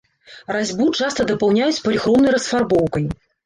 Разьбу часта дапаўняюць паліхромнай расфарбоўкай.